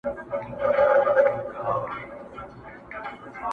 چي شهپر مي تر اسمان لاندي را خپور سي!.